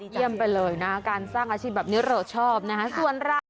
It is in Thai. เยี่ยมไปเลยนะการสร้างอาชีพแบบนี้เราชอบนะฮะ